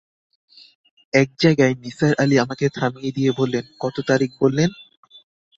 এক জায়গায় নিসার আলি আমাকে থামিয়ে দিয়ে বললেন, কত তারিখ বললেন?